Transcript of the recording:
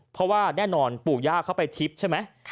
เพราะว่าแน่นอนปู่ย่าเขาไปทิพย์ใช่ไหม